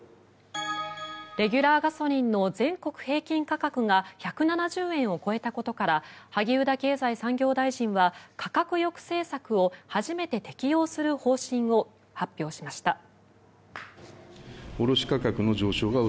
レギュラーガソリンの全国平均価格が１７０円を超えたことから萩生田経済産業大臣は価格抑制策を初めて適用する方針を発表しました。